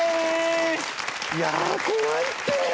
いや怖いって！